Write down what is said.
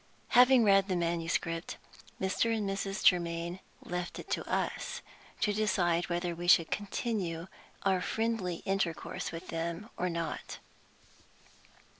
Having read the manuscript, Mr. and Mrs. Germaine left it to us to decide whether we should continue our friendly intercourse with them or not.